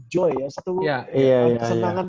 joy ya satu kesenangan